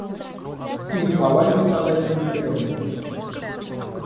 Ни словами сказать, ни пером написать.